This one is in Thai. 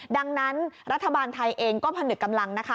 ดังนั้นรัฐบาลไทยเองก็ผนึกกำลังนะคะ